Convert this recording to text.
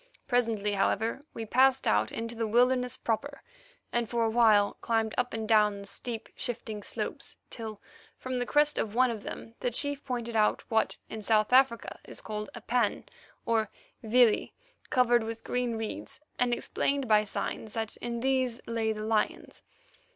Presently, however, we passed out into the wilderness proper, and for a while climbed up and down the steep, shifting slopes, till from the crest of one of them the chief pointed out what in South Africa is called a pan, or vlei, covered with green reeds, and explained by signs that in these lay the lions.